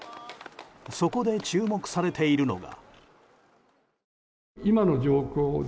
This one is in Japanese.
そこで注目されているのが。